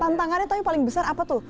tantangannya tuh yang paling besar apa tuh